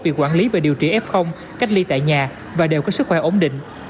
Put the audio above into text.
việc quản lý và điều trị f cách ly tại nhà và đều có sức khỏe ổn định